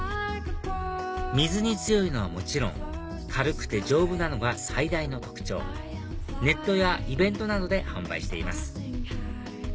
水に強いのはもちろん軽くて丈夫なのが最大の特徴ネットやイベントなどで販売しています